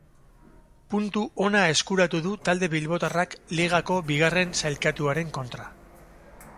Puntu ona eskuratu du talde bilbotarrak ligako bigarren sailkatuaren kontra.